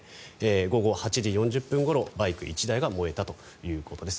午後８時４０分ごろバイク１台が燃えたということです。